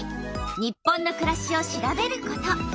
「日本のくらし」を調べること。